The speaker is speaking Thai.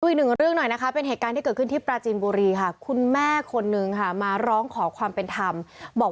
พูดอีกเรื่องหน่อยเป็นเหตุการณ์ที่เกิดขึ้นที่ปราจินบุรีคุณแม่คนหนึ่งมาร้องขอความเป็นธรรมบอก